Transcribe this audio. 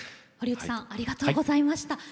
堀内さんありがとうございました。